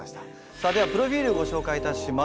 さあではプロフィールご紹介いたします。